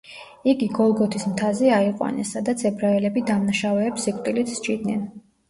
იგი გოლგოთის მთაზე აიყვანეს, სადაც ებრაელები დამნაშავეებს სიკვდილით სჯიდნენ.